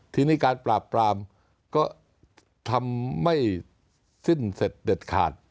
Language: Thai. ทีนี้การปราบปรามก็ทำไม่สิ้นเสร็จเด็ดขาด